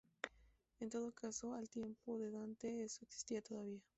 En todo caso al tiempo de Dante eso existía todavía.